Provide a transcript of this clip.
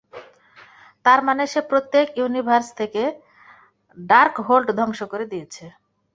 তারমানে সে প্রত্যেক ইউনিভার্স থেকে ডার্কহোল্ড ধ্বংস করে দিয়েছে।